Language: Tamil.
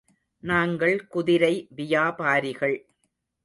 நாங்கள் குதிரை வியாபாரிகள்.